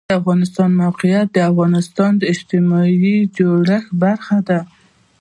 د افغانستان د موقعیت د افغانستان د اجتماعي جوړښت برخه ده.